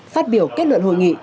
phát biểu kết luận hội nghị